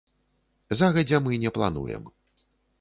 Загадзя мы не плануем.